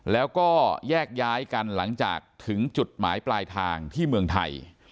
แล้วก็แยกย้ายกันหลังจากถึงจุดหมายปลายทางที่เมืองไทย